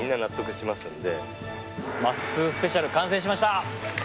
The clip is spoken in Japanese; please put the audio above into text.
まっすースペシャル完成しました。